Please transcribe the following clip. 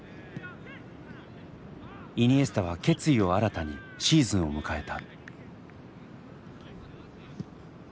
イニエスタは決意を新たにシーズンを迎えた。